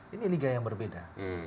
ini liga yang berbeda